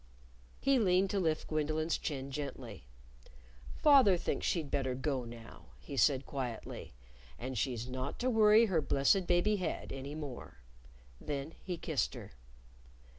He leaned to lift Gwendolyn's chin gently. "Father thinks she'd better go now," he said quietly. "And she's not to worry her blessed baby head any more." Then he kissed her.